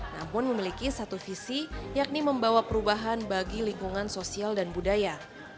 namun memiliki satu visi yakni membawa perubahan bagi lingkungan sosial dan budaya